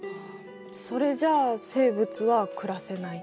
それじゃ生物は暮らせない。